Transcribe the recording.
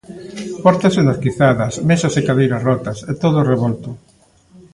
Portas esnaquizadas, mesas e cadeiras rotas, e todo revolto.